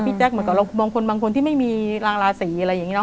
บางคนเกรบางคนที่ไม่มีลางราศี